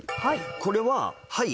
これは「はい」